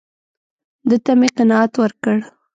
ده ته مې قناعت ورکړ.